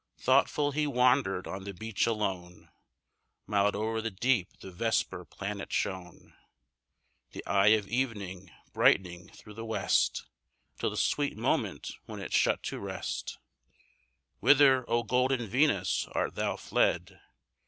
Thoughtful he wander'd on the beach alone; Mild o'er the deep the vesper planet shone, The eye of evening, brightening through the west Till the sweet moment when it shut to rest: "Whither, O golden Venus! art thou fled?